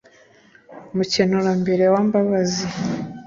mukenurambere wa mbabazi